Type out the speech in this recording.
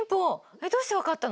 えっどうして分かったの？